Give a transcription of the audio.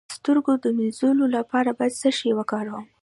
د سترګو د مینځلو لپاره باید څه شی وکاروم؟